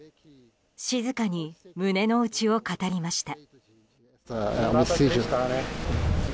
静かに胸の内を語りました。